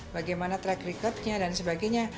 bagaimana track record nya dan sebagainya